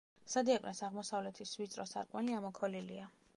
სადიაკვნეს აღმოსავლეთის ვიწრო სარკმელი ამოქოლილია.